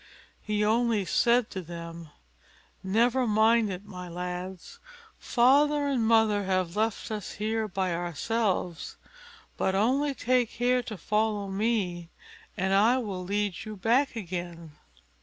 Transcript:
He only said to them, "Never mind it, my lads: father and mother have left us here by ourselves, but only take care to follow me, and I will lead you back again."